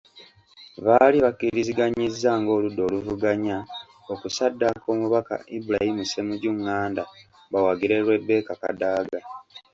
Baali bakkiriziganyizza ng’oludda oluvuganya, okusaddaaka omubaka Ibrahim Ssemujju Nganda, bawagire Rebecca Kadaga .